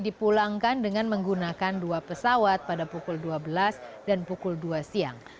dipulangkan dengan menggunakan dua pesawat pada pukul dua belas dan pukul dua siang